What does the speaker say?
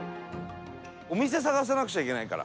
お店探さなくちゃいけないから。